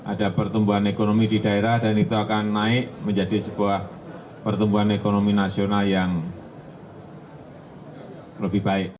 ada pertumbuhan ekonomi di daerah dan itu akan naik menjadi sebuah pertumbuhan ekonomi nasional yang lebih baik